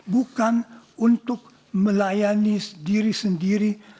bukan untuk melayani diri sendiri